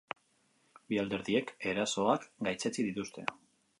Bi alderdiek erasoak gaitzetsi dituzte.